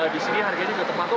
di sini harganya juga terpaku